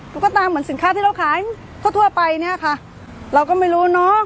ตุ๊กตาเหมือนสินค้าที่เราขายทั่วทั่วไปเนี่ยค่ะเราก็ไม่รู้เนอะ